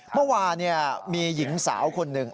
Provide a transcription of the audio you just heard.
เมื่อวานมีหญิงสาวคนหนึ่ง